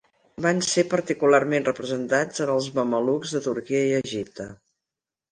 Van ser particularment representats en els mamelucs de Turquia i Egipte.